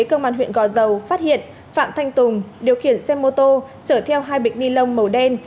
cơ quan huyện gò dầu phát hiện phạm thanh tùng điều khiển xe mô tô chở theo hai bịch nilon màu đen